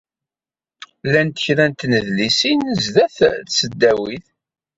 Llant kra n tnedlisin zzat tesdawit.